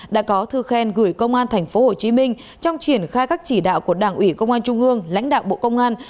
đã có thư khen gửi công an tp hcm trong triển khai các chỉ đạo của đảng ủy công an trung ương lãnh đạo bộ công an